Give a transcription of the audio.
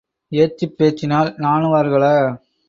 ஏச்சுப் பேச்சினால் நாணுவார்களா?